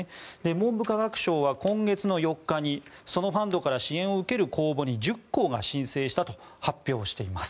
文部科学省は今月の４日にそのファンドから支援を受ける公募に１０校が申請したと発表しています。